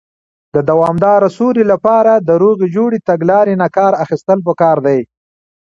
د دوامدارې سولې لپاره، د روغې جوړې تګلارې نۀ کار اخيستل پکار دی.